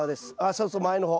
そうそう前の方。